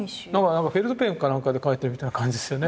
なんかフェルトペンか何かで描いてるみたいな感じですよね